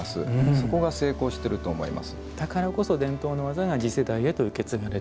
そこが成功していると思います。